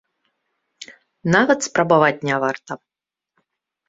Нават спрабаваць не варта.